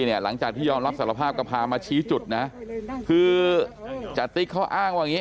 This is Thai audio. เนี่ยหลังจากที่ยอมรับสารภาพก็พามาชี้จุดนะคือจติ๊กเขา